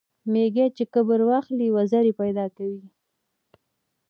ـ ميږى چې کبر واخلي وزرې پېدا کوي.